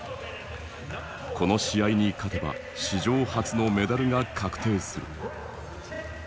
この試合に勝てば史上初のメダルが確定する。